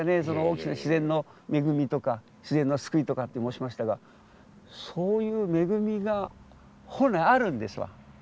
その大きな自然の恵みとか自然の救いとかって申しましたがそういう恵みが本来あるんですわ。